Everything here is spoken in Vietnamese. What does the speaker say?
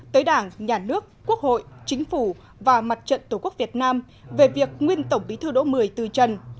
tới đảng nhà nước quốc hội chính phủ và mặt trận tổ quốc việt nam về việc nguyên tổng bí thư đỗ mười từ trần